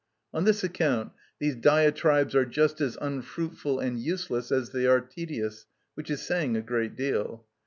On this account these diatribes are just as unfruitful and useless as they are tedious, which is saying a great deal.